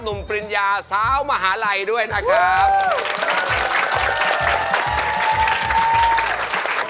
ปริญญาสาวมหาลัยด้วยนะครับ